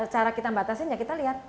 cara kita membatasin kita lihat